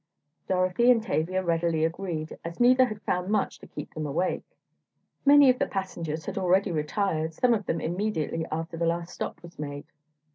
Dorothy and Tavia readily agreed, as neither had found much to keep them awake. Many of the passengers had already retired, some of them immediately after the last stop was made.